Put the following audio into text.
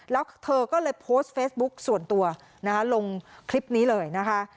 แล้วเธอก็เลยโพสต์เฟซบุ๊คส่วนตัวนะคะลงคลิปนี้เลยนะคะ